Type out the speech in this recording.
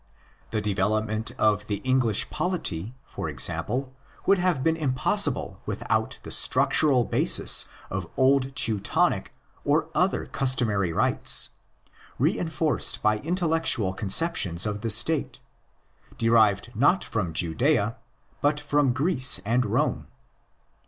The development of the English polity, for example, would have been impos sible without the structural basis of old Teutonic or other customary rights, reinforced by intellectual con ceptions of the State, derived not from Judea, but from Greece and Rome.